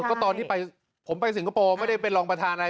ก็ตอนที่ไปผมไปสิงคโปร์ไม่ได้เป็นรองประธานอะไร